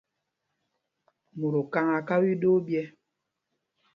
Mot okaŋ aa kaa iɗoo ɓyɛ́.